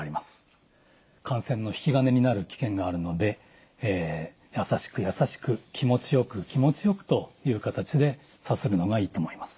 感染の引き金になる危険があるのでやさしくやさしく気持ちよく気持ちよくという形でさするのがいいと思います。